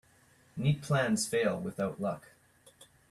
Neat plans fail without luck.